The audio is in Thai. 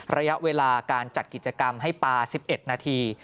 ระยะเวลาการจัดกิจกรรมให้ปลา๑๑นาที